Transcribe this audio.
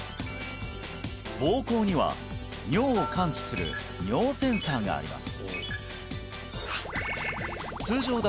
膀胱には尿を感知する尿センサーがあります